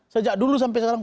sejak dulu sampai sekarang